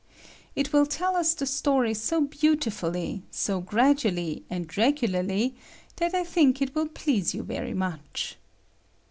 It will teD US the story so beautifully, so gradually and regularly, that I think it will please you very much.